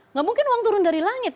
nggak mungkin uang turun dari langit